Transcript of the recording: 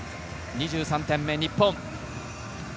２３点目、日本。